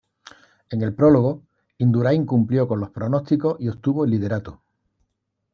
En el prólogo, Indurain cumplió con los pronósticos y obtuvo el liderato.